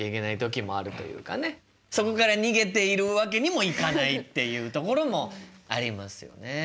そこから逃げているわけにもいかないっていうところもありますよね。